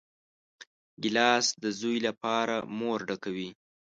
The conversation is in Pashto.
ګیلاس د زوی لپاره مور ډکوي.